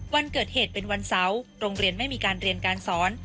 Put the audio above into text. วันเกิดเหตุเป็นวันเสาร์โรงเรียนไม่มีการเรียนการสอน